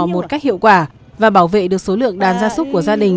một cách hiệu quả và bảo vệ được số lượng đàn gia súc của gia đình